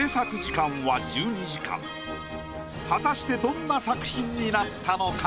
果たしてどんな作品になったのか？